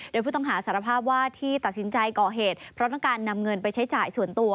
โดยผู้ต้องหาสารภาพว่าที่ตัดสินใจก่อเหตุเพราะต้องการนำเงินไปใช้จ่ายส่วนตัว